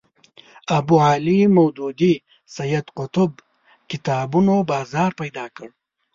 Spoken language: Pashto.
ابوالاعلی مودودي سید قطب کتابونو بازار پیدا کړ